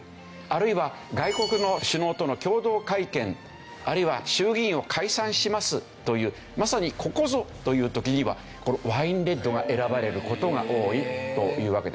あるいは外国の首脳との共同会見あるいは「衆議院を解散します」というまさにここぞという時にはこのワインレッドが選ばれる事が多いというわけですね。